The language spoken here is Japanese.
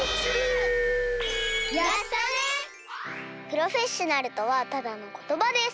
プロフェッショナルとはただのことばです！